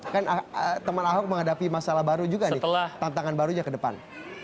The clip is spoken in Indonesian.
kan teman ahok menghadapi masalah baru juga nih tantangan barunya ke depan